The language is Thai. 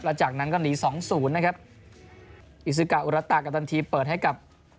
แล้วจากนั้นก็หนีสองศูนย์นะครับอิซึกะอุรัตากัปตันทีเปิดให้กับ